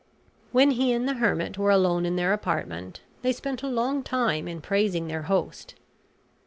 When he and the hermit were alone in their apartment, they spent a long time in praising their host.